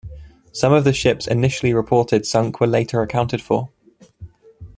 Some of the ships initially reported sunk were later accounted for.